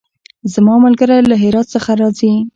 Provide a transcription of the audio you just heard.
زما ملګری له هرات څخه راځی